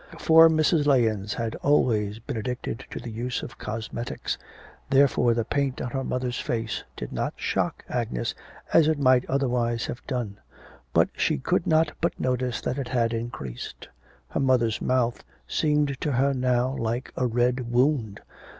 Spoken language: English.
For Mrs. Lahens had always been addicted to the use of cosmetics, therefore the paint on her mother's face did not shock Agnes as it might otherwise have done. But she could not but notice that it had increased. Her mother's mouth seemed to her now like a red wound.